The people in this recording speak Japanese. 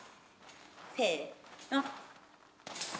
せの！